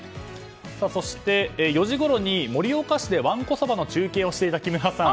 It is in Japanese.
そして４時ごろに盛岡市でわんこそばの中継をしていた木村さん